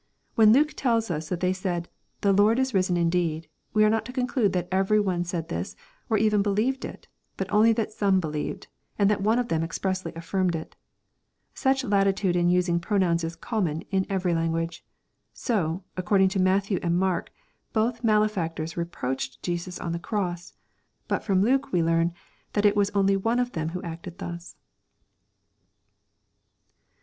When Luke tells us that they said * the Lord is risen indeed,' we are not to conclude that every one said this, or even believed it, but only that some believed, and that one of them expressly affirmed it Such latitude in using pronouns is common in every language. So, according to Mat thew and Mark, both malefactors reproached Jesus on the cross. But from Luke we learn that it was only one of them who acted thus."